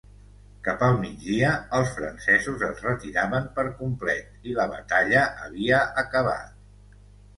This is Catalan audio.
Cap al migdia, els francesos es retiraven per complet i la batalla havia acabat.